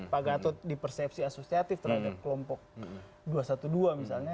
pak gatot di persepsi asosiatif terhadap kelompok dua ratus dua belas misalnya